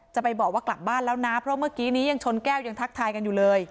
จะไปบอกว่ากลับบ้านแล้วนะเพราะเมื่อกี้นี้ยังชนแก้วยังทักทายกันอยู่เลย